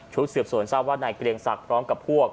สืบสวนทราบว่านายเกรียงศักดิ์พร้อมกับพวก